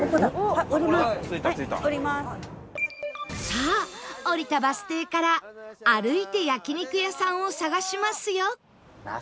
さあ降りたバス停から歩いて焼肉屋さんを探しますよ